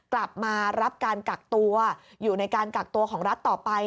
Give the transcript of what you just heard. กลับมารับการกักตัวอยู่ในการกักตัวของรัฐต่อไป